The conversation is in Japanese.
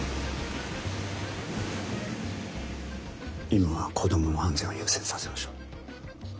今は子どもの安全を優先させましょう。